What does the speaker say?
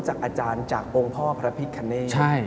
แขกเบอร์ใหญ่ของผมในวันนี้